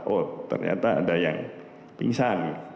oh ternyata ada yang pingsan